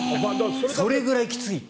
それぐらいきついんだと。